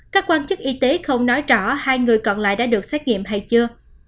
các quan chức y tế không nói rõ hai người còn lại đã được xét nghiệm hay chưa